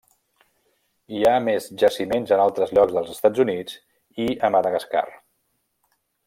Hi ha més jaciments en altres llocs dels Estats Units i a Madagascar.